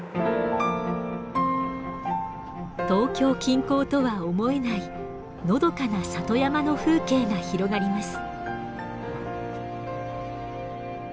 東京近郊とは思えないのどかな里山の風景が広がります。